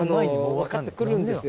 分かってくるんですよ